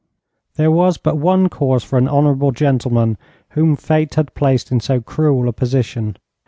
There was but one course for an honourable gentleman whom Fate had placed in so cruel a position.